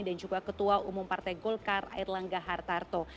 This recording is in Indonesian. dan juga ketua umum partai golkar air langga hartarto